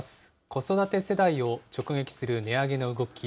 子育て世代を直撃する値上げの動き。